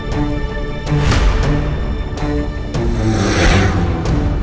kamu bisa jadiin keras